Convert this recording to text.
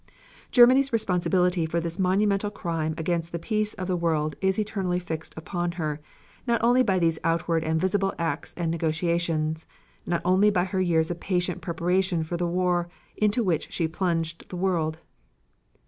Germany's responsibility for this monumental crime against the peace of the world is eternally fixed upon her, not only by these outward and visible acts and negotiations, not only by her years of patient preparation for the war into which she plunged the world.